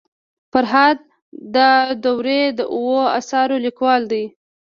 فرهاد داوري د اوو اثارو لیکوال دی.